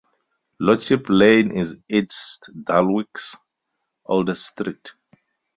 Lordship Lane is East Dulwich's oldest street.